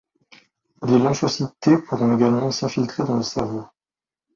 Des lymphocytes T pourront également s’infiltrer dans le cerveau.